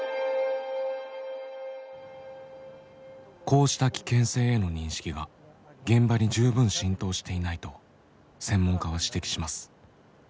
こうした危険性への認識が現場に十分浸透していないと専門家は指摘します。